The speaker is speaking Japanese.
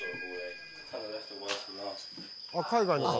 あっ海外の方。